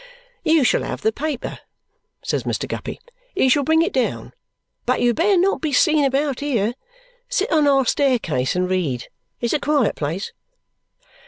"You shall have the paper," says Mr. Guppy. "He shall bring it down. But you had better not be seen about here. Sit on our staircase and read. It's a quiet place."